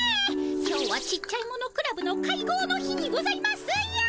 今日はちっちゃいものクラブの会合の日にございますよ。